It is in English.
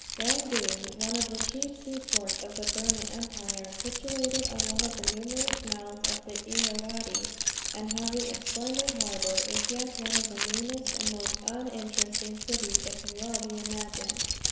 Rangoon, one of the chief seaports of the Burman Empire, situated on one of the numerous mouths of the Irrawaddy, and having a splendid harbor, is yet one of the meanest, and most uninteresting cities that can well be imagined.